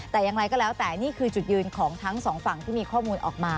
แต่อย่างไรก็แล้วแต่นี่คือจุดยืนของทั้งสองฝั่งที่มีข้อมูลออกมา